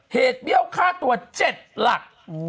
เหตุเบี้ยวค่าตัวเจ็ดหลัก